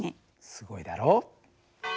すごいだろう。